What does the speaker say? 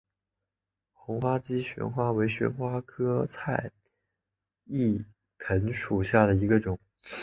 红花姬旋花为旋花科菜栾藤属下的一个种。